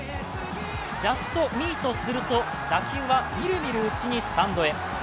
ジャストミートすると打球はミルミルうちにスタンドへ。